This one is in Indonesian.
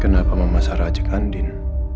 kenapa mama saranjak andin